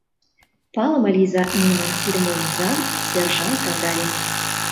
— Палыме лийза, Нина: тиде мыйын изам, сержант Кандалин.